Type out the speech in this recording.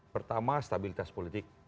pertama stabilitas politik